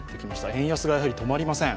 円安がやはり止まりません。